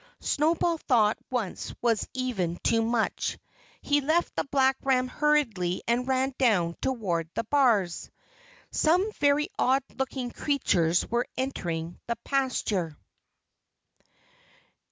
Snowball thought once was even too much. He left the black ram hurriedly and ran down toward the bars. Some very odd looking creatures were entering the pasture.